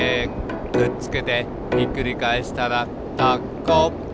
「くっつけてひっくり返したらタコ」